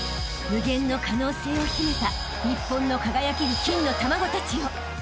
［無限の可能性を秘めた日本の輝ける金の卵たちよ］